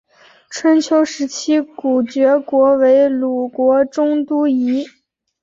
春秋时期古厥国为鲁国中都邑。